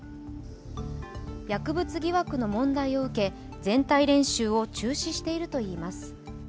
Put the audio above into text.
薬物疑惑の問題を受け全体練習を中止しているといいます。